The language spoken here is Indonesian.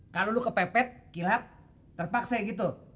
kalau lu kepepet kilap terpaksa gitu